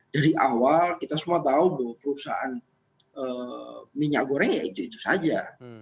dari awal kita semua tahu bahwa perusahaan minyak goreng ya itu itu saja